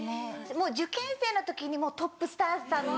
もう受験生の時にトップスターさんの。